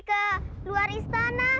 ke luar istana